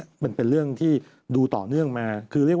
มันเป็นเรื่องที่ดูต่อเนื่องมา